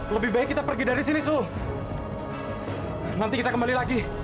lebih baik kita pergi dari sini suh nanti kita kembali lagi